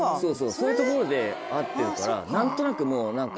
そういう所で会ってるから何となくもう何か。